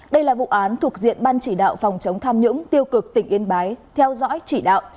đây là vụ án thuộc diện ban chỉ đạo phòng chống tham nhũng tiêu cực tỉnh yên bái theo dõi chỉ đạo